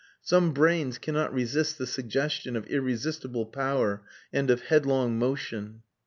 Some brains cannot resist the suggestion of irresistible power and of headlong motion.